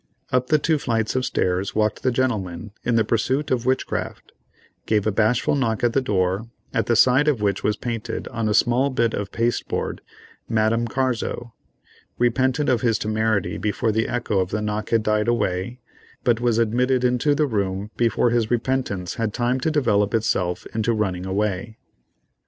Up the two flights of stairs walked the gentleman in the pursuit of witchcraft, gave a bashful knock at the door, at the side of which was painted, on a small bit of pasteboard, "Madame Carzo"—repented of his temerity before the echo of the knock had died away, but was admitted into the room before his repentance had time to develop itself into running away.